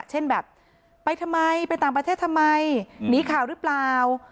เช่นแบบไปทำไมไปต่างประเทศทำไมหนีข่าวหรือเปล่า